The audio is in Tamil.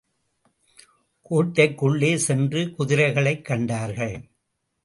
கோட்டைக்குள்ளே சென்று குதிரைகளைக் கண்டார்கள்.